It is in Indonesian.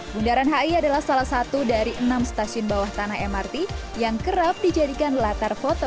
bundaran hi adalah salah satu dari enam stasiun bawah tanah mrt yang kerap dijadikan latar foto